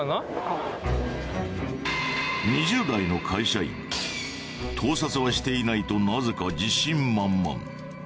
２０代の会社員盗撮はしていないとなぜか自信満々。